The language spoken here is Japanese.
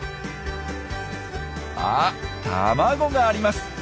あっ卵があります！